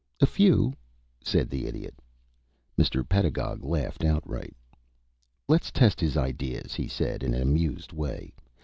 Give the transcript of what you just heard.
"A few," said the Idiot. Mr. Pedagog laughed outright. "Let's test his ideas," he said, in an amused way.